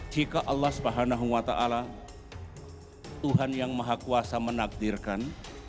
jika allah swt tuhan yang maha kuasa menakdirkan